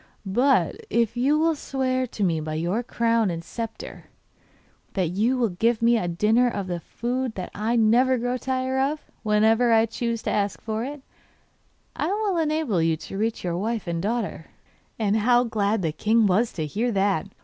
But if you will swear to me by your crown and sceptre that you will give me a dinner of the food that I never grow tired of, whenever I choose to ask for it, I will enable you to reach your wife and daughter.' Ah, how glad the king was to hear that!